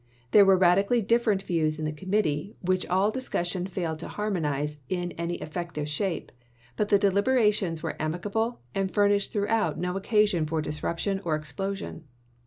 There were radically different views in the Committee, which all discussion failed to har monize in any effective shape, but the deliberations were amicable, and furnished throughout no occa sion for disruption or explosion.